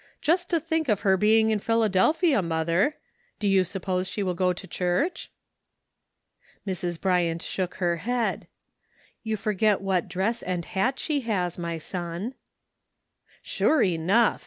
Just to think of her being in Philadelphia, mother ! Do you suppose she will go to church ?" Mrs. Bryant shook her head. "You forget what dress and hat she has, my son." " Sure enough